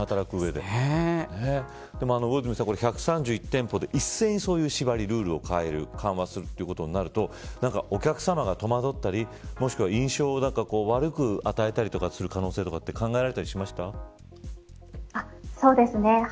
でも魚住さん１３１店舗で一斉にそういう縛り、ルールを緩和するということになるとお客様が戸惑ったりもしくは印象を悪く与えたりとかする可能性はそうですね。